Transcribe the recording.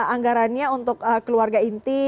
anggarannya untuk keluarga inti